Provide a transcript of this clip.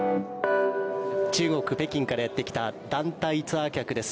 中国・北京からやってきた団体ツアー客です。